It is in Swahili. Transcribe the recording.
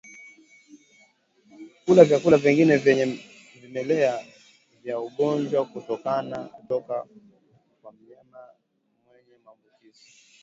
Kula vyakula vingine vyenye vimelea vya ugonjwa kutoka kwa mnyama mwenye maambukizi